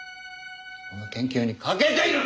この研究に懸けている。